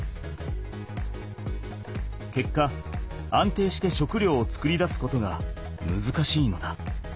けっか安定して食料を作り出すことがむずかしいのだ。